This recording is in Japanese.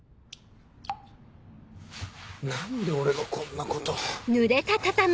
何で俺がこんなこと。